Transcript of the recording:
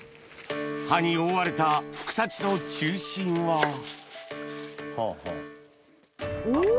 葉に覆われたふくたちの中心はお！